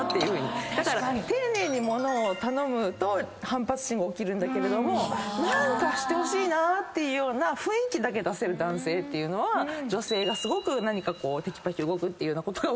だから丁寧に物を頼むと反発心が起きるんだけれども何かしてほしいなって雰囲気だけ出せる男性っていうのは女性がすごく何かテキパキ動くっていうようなことが分かった。